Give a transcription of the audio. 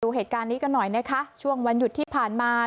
เหตุการณ์นี้กันหน่อยนะคะช่วงวันหยุดที่ผ่านมา